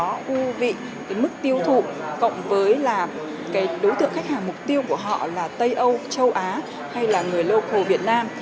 để chúng tôi có mức tiêu thụ cộng với đối tượng khách hàng mục tiêu của họ là tây âu châu á hay là người local việt nam